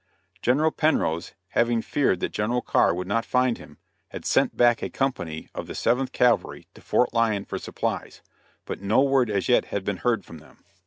General Penrose, having feared that General Carr would not find him, had sent back a company of the Seventh Cavalry to Fort Lyon for supplies; but no word as yet had been heard from them.